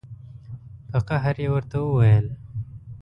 په قهر یې ورته وویل.